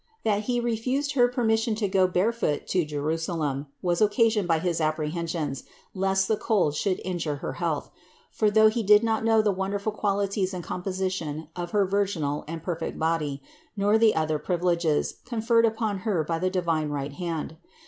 That he refused Her permission to go barefoot to Jeru salem was occasioned by his apprehensions, lest the cold should injure her health; for he did not know the won THE INCARNATION 499 derful qualities and composition of her virginal and per fect body, nor the other privileges, conferred upon Her by the divine right hand.